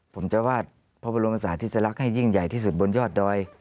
ผมจะวาดพระบรมศาสตร์ที่จะรักให้ยิ่งใหญ่ที่สุดบนยอดดอย